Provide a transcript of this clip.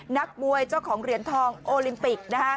นักมวยเจ้าของเหรียญทองโอลิมปิก